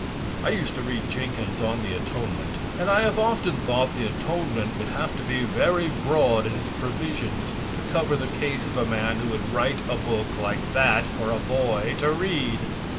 I used to read Jenkins' "On the Atonement;" and I have often thought the atonement would have to be very broad in its provisions to cover the case of a man who would write a book like that for a boy to read.